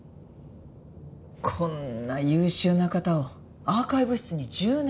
こんな優秀な方をアーカイブ室に１０年も。